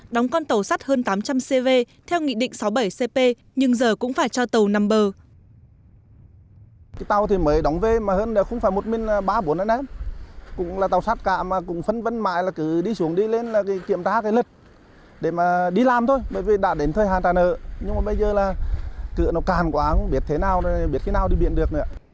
đóng con tàu sắt hơn tám trăm linh cv theo nghị định sáu mươi bảy cp nhưng giờ cũng phải cho tàu nằm bờ